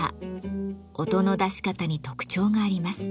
音の出し方に特徴があります。